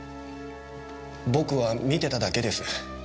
僕は見てただけです。